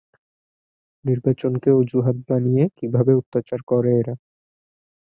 নির্বাচনকে অযুহাত বানিয়ে কীভাবে অত্যাচার করে এরা?